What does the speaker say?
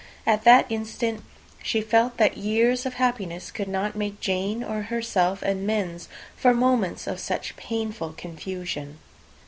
At that instant she felt, that years of happiness could not make Jane or herself amends for moments of such painful confusion.